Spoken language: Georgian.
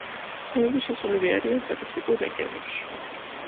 თემები შესულები არიან სტატისტიკურ რეგიონებში.